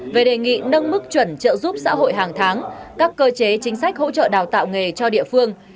về đề nghị nâng mức chuẩn trợ giúp xã hội hàng tháng các cơ chế chính sách hỗ trợ đào tạo nghề cho địa phương